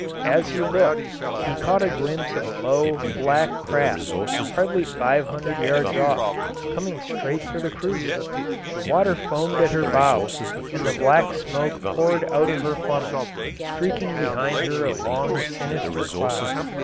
As he looked he caught a glimpse of a low, black craft, hardly five hundred yards off, coming straight for the cruiser. The water foamed at her bows and the black smoke poured out of her funnels, streaking behind her a long, sinister cloud.